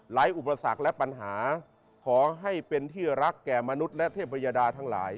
อุปสรรคและปัญหาขอให้เป็นที่รักแก่มนุษย์และเทพยดาทั้งหลาย